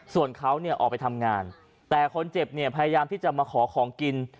ส่วนเขาเนี่ยออกไปทำงานแต่คนเจ็บเนี่ยพยายามที่จะมาขอของกิน